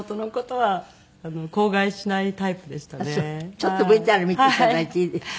ちょっとＶＴＲ見ていただいていいですか？